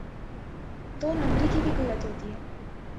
دو نمبری کی بھی کوئی حد ہوتی ہے۔